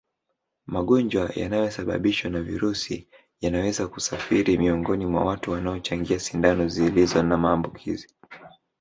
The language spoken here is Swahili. Magonjwa yanayosababishwa na virusi yanaweza kusafiri miongoni mwa watu wanaochangia sindano zilizo na maambukizi